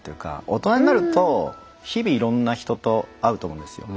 大人になると日々いろんな人と会うと思うんですよ。